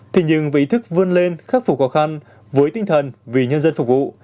thế nhưng với ý thức vươn lên khắc phục khó khăn với tinh thần vì nhân dân phục vụ